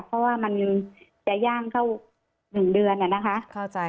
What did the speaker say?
เพราะว่ามันจะย่างเข้า๑เดือนนะคะ